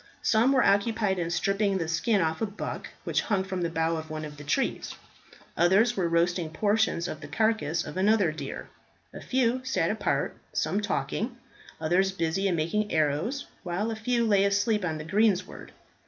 Some were occupied in stripping the skin off a buck which hung from the bough of one of the trees. Others were roasting portions of the carcass of another deer. A few sat apart, some talking, others busy in making arrows, while a few lay asleep on the greensward.